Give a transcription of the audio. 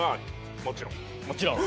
もちろん。